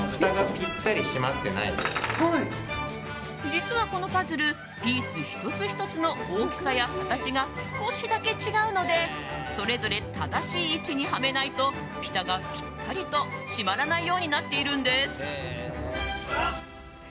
実は、このパズルピース１つ１つの大きさや形が少しだけ違うのでそれぞれ正しい位置にはめないとふたがぴったりと閉まらないようになっているんです。